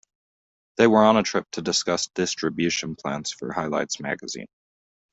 They were on a trip to discuss distribution plans for Highlights magazine.